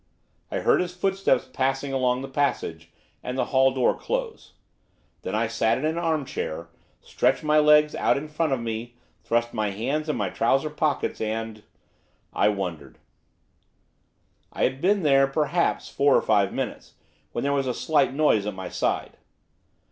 I heard his footsteps passing along the passage, and the hall door close. Then I sat in an arm chair, stretched my legs out in front of me, thrust my hands in my trouser pockets, and I wondered. I had been there, perhaps, four or five minutes, when there was a slight noise at my side.